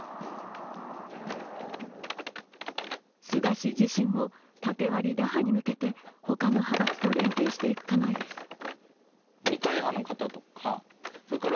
菅氏自身も縦割り打破に向けて他の派閥と連携していく構えです。